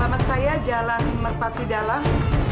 di rumah saya ada jalan merpati dalang